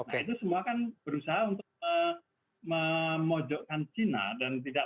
nah itu semua kan berusaha untuk memojokkan cina dan tidak